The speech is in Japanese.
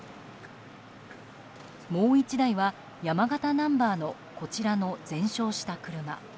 もう１台は、山形ナンバーのこちらの全焼した車。